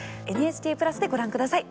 「ＮＨＫプラス」でご覧下さい。